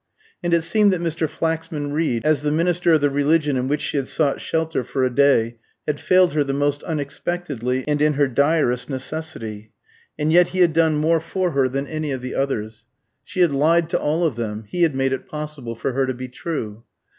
And it seemed that Mr. Flaxman Reed, as the minister of the religion in which she had sought shelter for a day, had failed her the most unexpectedly, and in her direst necessity. And yet he had done more for her than any of the others. She had lied to all of them; he had made it possible for her to be true.